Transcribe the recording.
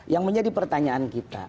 yang menjadi pertanyaan kita